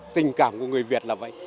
tình cảm của người việt là vậy